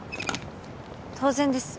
当然です。